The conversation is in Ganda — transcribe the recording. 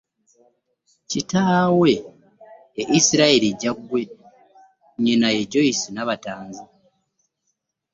Kitaawe ye Israel Jjagwe, nnyina ye Joyce Nabatanzi.